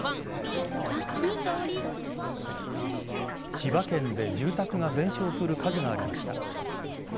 千葉県で住宅が全焼する火事がありました。